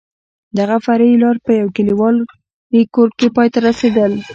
دغه فرعي لار په یو کلیوالي کور کې پای ته رسېدل.